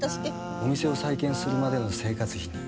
お店を再建するまでの生活費に。